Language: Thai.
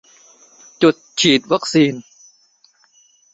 จุดฉีดวัคซีน